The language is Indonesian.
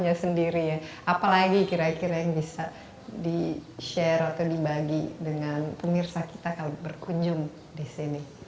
apalagi kira kira yang bisa di share atau dibagi dengan pemirsa kita kalau berkunjung di sini